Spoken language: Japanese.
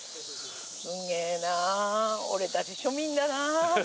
すげえな俺たち庶民だな。